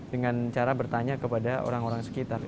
dengan cara bertanya kepada orang orang sekitar